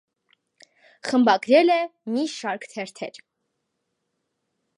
Խմբագրել է մի շարք թերթեր։